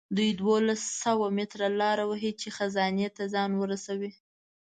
دوی دولس سوه متره لاره وهي چې خزانې ته ځان ورسوي.